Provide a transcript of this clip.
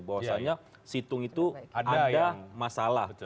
bahwasannya situng itu ada masalah